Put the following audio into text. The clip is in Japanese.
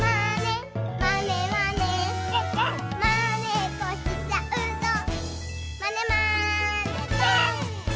「まねっこしちゃうぞまねまねぽん！」